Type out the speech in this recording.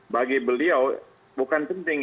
bagi beliau bukan penting